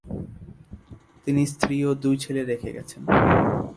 তিনি স্ত্রী ও দুই ছেলে রেখে গেছেন।